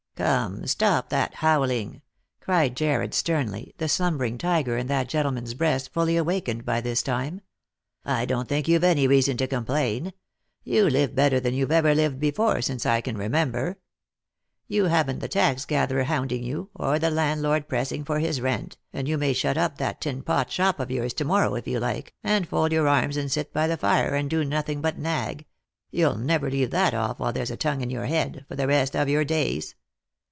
" Come, stop that howling," cried Jarred sternly, the slum bering tiger in that gentleman's breast fully awakened by this time. " I don't think you've any reason to complain. You live better than you've ever lived before, since I can remember. You haven't the tax gatherer hounding you, or the landlord pressing for his rent, and you may shut up that tinpot shop of yours to morrow if you like, and fold your arms and sit by the fire, and do nothing but nag — you'll never leave that off while there's a tongue in your head — for the rest of your days.